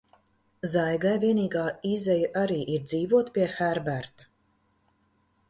Zaigai vienīgā izeja arī ir dzīvot pie Herberta.